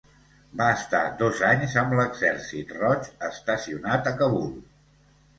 Va estar dos anys amb l'Exèrcit Roig estacionat a Kabul.